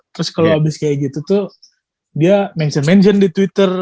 terus kalau habis kayak gitu tuh dia mention mention di twitter